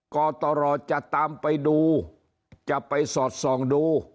กตรจะตามไปดูจะไปสอดส่องดู